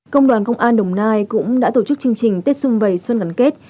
công đoàn công an đồng nai cũng đã tổ chức chương trình tết xuân vầy xuân gắn kết